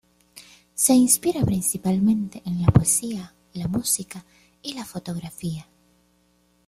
Se inspira principalmente en la poesía, la música y la fotografía.